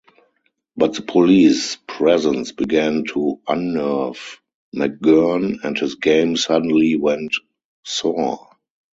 But the police presence began to unnerve McGurn and his game suddenly went sour.